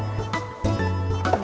terima kasih pak randy